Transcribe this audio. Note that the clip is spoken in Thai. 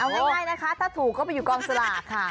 เอาง่ายนะคะถ้าถูกก็ไปอยู่กองสลากค่ะ